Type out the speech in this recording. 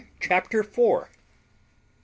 CHAPTER FOUR MR.